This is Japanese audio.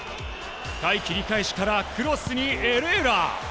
深い切り返しからクロスにエレーラ！